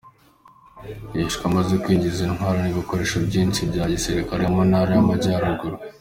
Yishwe amaze kwinjiza intwaro n’ibikoresho byinshi byagisikare mu Ntara y’amajyaruguru.